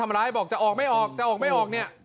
ร้ายบอกจะออกไม่ออกจะออกไม่ออกเนี่ย